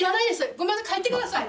ごめんなさい帰ってください。